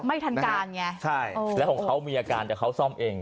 ไม่ทันการไงใช่แล้วของเขามีอาการแต่เขาซ่อมเอง